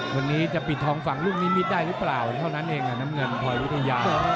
วันนี้จะปิดทองฝั่งลูกนิมิตได้หรือเปล่าเท่านั้นเองน้ำเงินคอยวิทยา